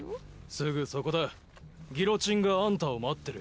すぐそこだギロチンがあんたを待ってる。